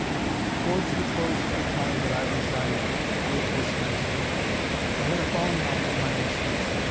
Towards the close of the time that I resided with this master, I had a falling out with my mistress.